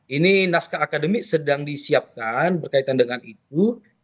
ini naskah akademik sedang disiapkan berkaitan dengan itu